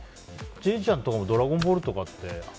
千里ちゃんとかも「ドラゴンボール」とかって。